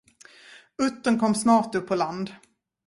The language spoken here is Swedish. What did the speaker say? Uttern kom snart upp på land.